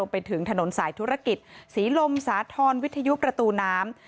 ไปถึงถนนสายธุรกิจศรีลมสาธรณ์วิทยุประตูน้ำ